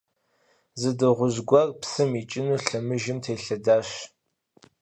Зы дыгъужь гуэр псым икӀыну лъэмыжым телъэдащ.